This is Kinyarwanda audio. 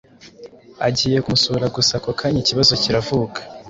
agiye ku musura gusa ako kanya ikibazo kiravuka